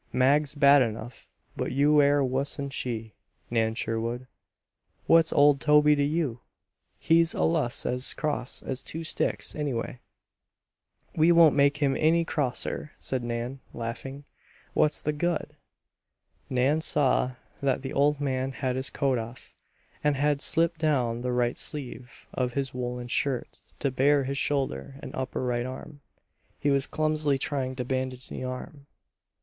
"Mag's bad enough, but you air wuss'n she, Nan Sherwood. What's old Toby to you? He's allus as cross as two sticks, anyway." "We won't make him any crosser," said Nan, laughing. "What's the good?" Nan saw that the old man had his coat off, and had slipped down the right sleeve of his woolen shirt to bare his shoulder and upper right arm. He was clumsily trying to bandage the arm.